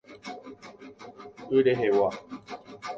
Y rehegua.